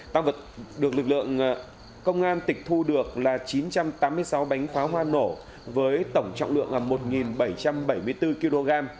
tăng vật được lực lượng công an tịch thu được là chín trăm tám mươi sáu bánh pháo hoa nổ với tổng trọng lượng là một bảy trăm bảy mươi bốn kg